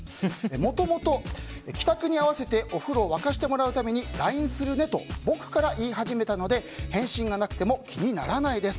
もともと、帰宅に合わせてお風呂を沸かしてもらうためにＬＩＮＥするねと僕から言って始めたので返信がなくても気にならないです。